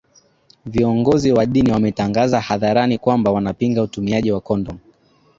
viongozi wa dini wametangaza hadharani kwamba wanapinga utumiaji kondomu